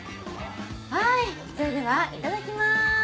はいそれではいただきます。